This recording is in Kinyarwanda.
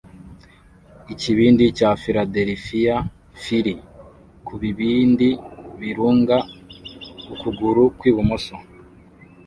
Ikibindi cya Philadelphia Phillie ku bibindi birunga ukuguru kw'ibumoso